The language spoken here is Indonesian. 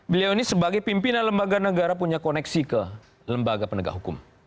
beliau ini sebagai pimpinan lembaga negara punya koneksi ke lembaga penegak hukum